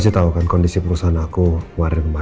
silahkan mbak mbak